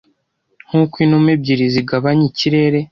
Nkuko inuma ebyiri zigabanya ikirere